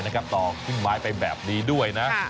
ต่อเครื่องไม้ไปแบบนี้ด้วยนะ